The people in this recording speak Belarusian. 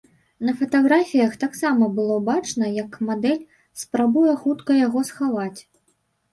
На фатаграфіях таксама было бачна, як мадэль спрабуе хутка яго схаваць.